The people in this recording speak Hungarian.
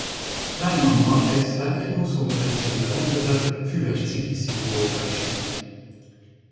Lennonnal egyszer egy úszómedencében rendezett füves cigi szívó versenyt.